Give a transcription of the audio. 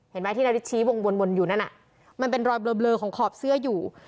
เห็นไหมที่นาริสชี้วงวนอยู่นั่นมันเป็นรอยเบลอของขอบเสื้ออยู่